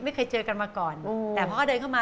ไม่เคยเจอกันมาก่อนแต่พอเขาเดินเข้ามา